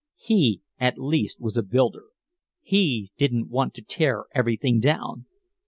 He at least was a builder, he didn't want to tear everything down!